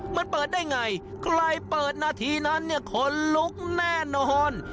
มันเปิดได้ไงใครเปิดนาทีนั้นเนี่ยขนลุกแน่นอน